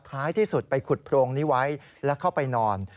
ท้ายที่สุดไปขุดโพรงนี้ไว้แล้วเข้าไปนอน